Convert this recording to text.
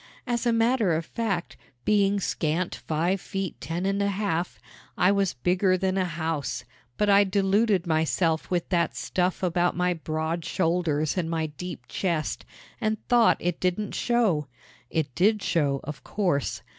As a matter of fact, being scant five feet ten and a half, I was bigger than a house; but I deluded myself with that stuff about my broad shoulders and my deep chest, and thought it didn't show. It did show, of course.